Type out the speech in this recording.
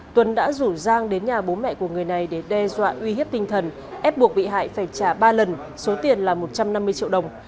tuấn đã rủ giang đến nhà bố mẹ của người này để đe dọa uy hiếp tinh thần ép buộc bị hại phải trả ba lần số tiền là một trăm năm mươi triệu đồng